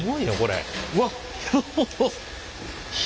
うわっ広！